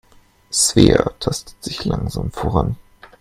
Svea tastet sich langsam voran.